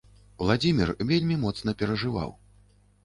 Уладзімір вельмі моцна перажываў.